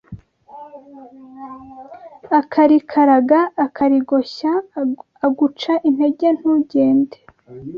Akarikaraga akarigoshya Aguca intege ntugende